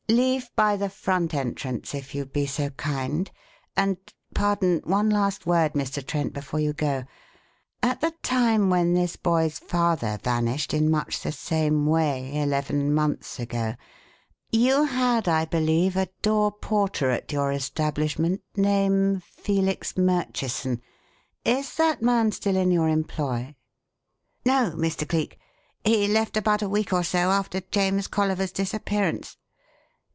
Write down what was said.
Leave by the front entrance if you be so kind; and pardon, one last word, Mr. Trent, before you go. At the time when this boy's father vanished in much the same way, eleven months ago, you had, I believe, a door porter at your establishment name Felix Murchison. Is that man still in your employ?" "No, Mr. Cleek. He left about a week or so after James Colliver's disappearance."